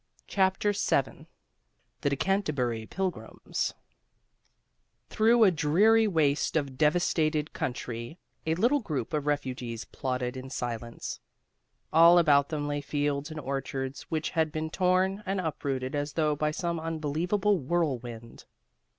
CHAPTER VII THE DECANTERBURY PILGRIMS Through a dreary waste of devastated country a little group of refugees plodded in silence. All about them lay fields and orchards which had been torn and uprooted as though by some unbelievable whirlwind.